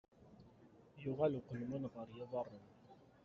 Yuɣal uqelmun ɣer yiḍarren.